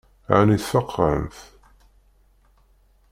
Ɛni tfeqɛemt?